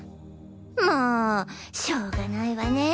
もうしょうがないわねぇ。